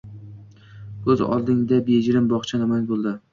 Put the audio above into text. Ko’z oldingda bejirim bog’cha namoyon bo’ldi.